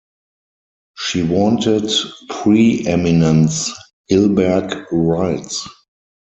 "She wanted preeminence," Hilberg writes.